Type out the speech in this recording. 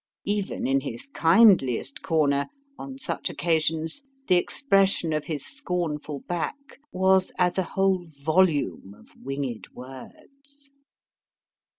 Even in his kindliest corner, on such occasions, the expression of his scornful back was as a whole volume of wingéd words!